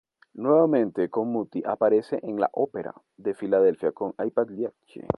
Nuevamente con Muti aparece en la Ópera de Filadelfia con "I Pagliacci".